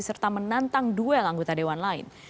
serta menantang duel anggota dewan lain